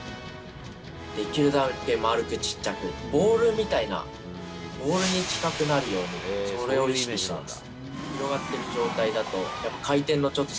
できるだけ丸く小っちゃく、ボールみたいな、ボールに近くなるように、それを意識してます。